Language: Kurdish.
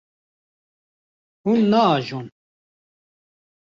Hûn naajon.